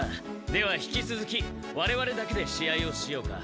では引きつづきわれわれだけで試合をしようか。